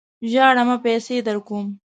ژاړه مه ! پیسې درکوم.